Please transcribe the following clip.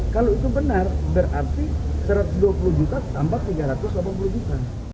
kalau itu benar berarti satu ratus dua puluh juta tambah tiga ratus delapan puluh juta